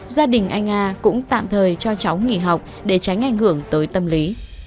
gia đình anh a cũng tạm thời cho cháu nghỉ học để tránh ảnh hưởng tới tâm lý